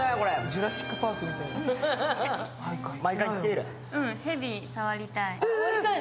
ジュラシックパークみたい。